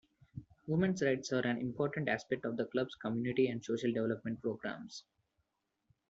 Women's rights are an important aspect of the club's community and social development programs.